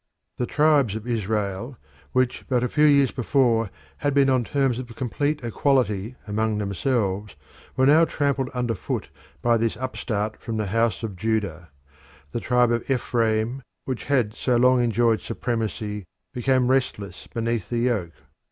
The tribes of Israel, which but a few years before had been on terms of complete equality among themselves, were now trampled underfoot by this upstart of the House of Judah. The tribe of Ephraim, which had so long enjoyed supremacy, became restless beneath the yoke.